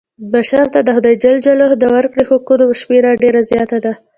بشر ته د خدای ج د ورکړي حقونو شمېره ډېره زیاته ده.